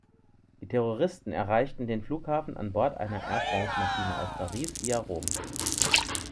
Die Terroristen erreichten den Flughafen an Bord einer Air France-Maschine aus Paris via Rom.